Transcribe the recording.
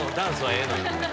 ええのよ。